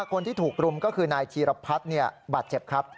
คนที่ถูกรุมก็คือนายธีรพัฒน์บาดเจ็บครับ